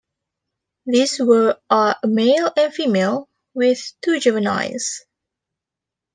These were a male and female, with two juveniles.